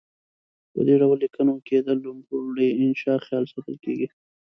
په دې ډول لیکنو کې د لوړې انشاء خیال ساتل کیږي.